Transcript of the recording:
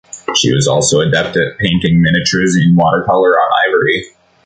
She was also adept at painting miniatures in watercolor on ivory.